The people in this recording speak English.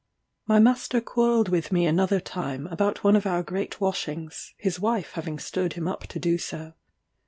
My master quarrelled with me another time, about one of our great washings, his wife having stirred him up to do so.